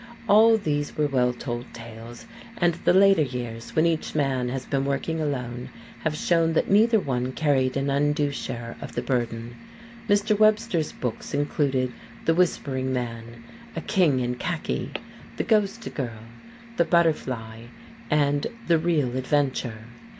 All these were well told tales, and the later years, when each man has been working alone, have shown that neither one carried an undue share of the burden. Mr. Webster's books include "The Whispering Man," "A King in Khaki," "The Ghost Girl," "The Butterfly" and "The Real Adventure."